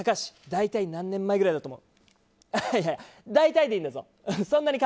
大体、何年前ぐらいだと思う？